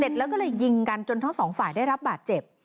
แล้วก็เลยยิงกันจนทั้งสองฝ่ายได้รับบาดเจ็บ